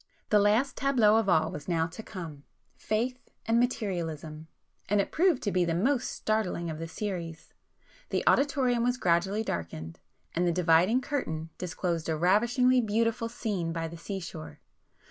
The last tableau of all was now to come,—"Faith and Materialism," and it proved to be the most startling of the series. The auditorium was gradually darkened,—and the dividing curtain disclosed a ravishingly beautiful scene by the sea shore.